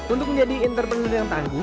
untuk menjadi entrepreneur yang tangguh